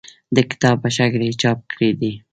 د کتاب په شکل یې چاپ کړي دي.